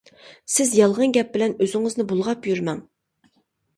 سىز يالغان گەپ بىلەن ئۆزىڭىزنى بۇلغاپ يۈرمەڭ.